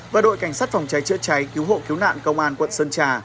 và đội cảnh sát phòng cháy chữa cháy cứu hộ cứu nạn công an quận sơn trà